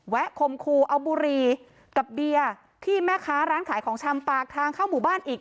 คมคูเอาบุรีกับเบียร์ที่แม่ค้าร้านขายของชำปากทางเข้าหมู่บ้านอีก